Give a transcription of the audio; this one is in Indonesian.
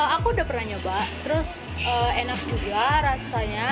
aku udah pernah nyoba terus enak juga rasanya